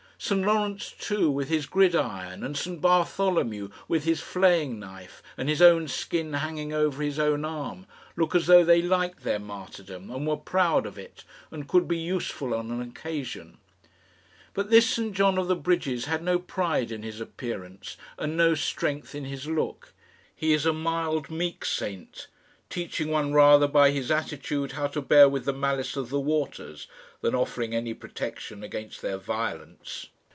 St Lawrence, too, with his gridiron, and St Bartholomew with his flaying knife and his own skin hanging over his own arm, look as though they liked their martyrdom, and were proud of it, and could be useful on an occasion. But this St John of the Bridges has no pride in his appearance, and no strength in his look. He is a mild, meek saint, teaching one rather by his attitude how to bear with the malice of the waters, than offering any protection against their violence.